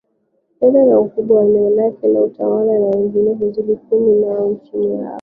fedha na ukubwa wa eneo lake la utawala wengine huzidi kumi nao chini yao